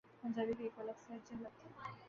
پنجابی کا ایک اور لفظ ہے، ' جھلت‘۔